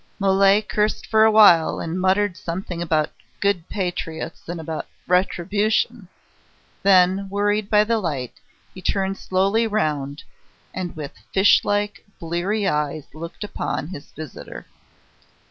Mole cursed for awhile, and muttered something about "good patriots" and about "retribution." Then, worried by the light, he turned slowly round, and with fish like, bleary eyes looked upon his visitor.